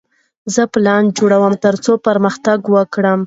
زه پلان جوړوم ترڅو پرمختګ وکړم.